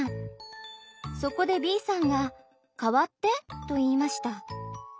そこでＢさんが「代わって」と言いました。